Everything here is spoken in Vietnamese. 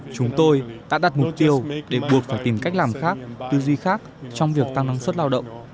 chúng tôi đã đặt mục tiêu để buộc phải tìm cách làm khác tư duy khác trong việc tăng năng suất lao động